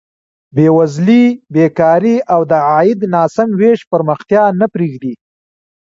بېوزلي، بېکاري او د عاید ناسم ویش پرمختیا نه پرېږدي.